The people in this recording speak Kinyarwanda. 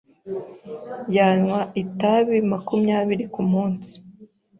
Yanywa itabi makumyabiri kumunsi.